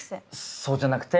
そうじゃなくて。